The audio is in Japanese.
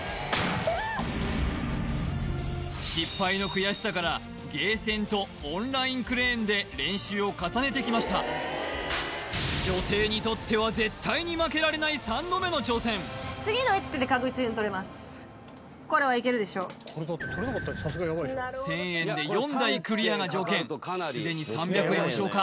失敗の悔しさからゲーセンとオンラインクレーンで練習を重ねてきました女帝にとっては１０００円で４台クリアが条件すでに３００円を消化